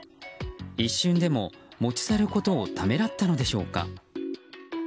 一瞬でも持ち去ることをためらったのでしょうか。